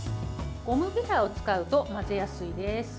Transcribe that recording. ゴムべらを使うと混ぜやすいです。